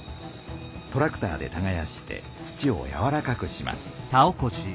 トラクターでたがやして土をやわらかくします。